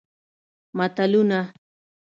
متلونه